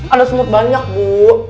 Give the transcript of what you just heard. ada semut banyak bu